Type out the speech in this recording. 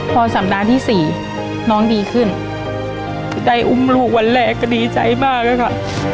พอสัปดาห์ที่สี่น้องดีขึ้นได้อุ้มลูกวันแรกก็ดีใจมากแล้วค่ะ